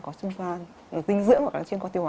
có sinh dưỡng hoặc là chuyên có tiêu hóa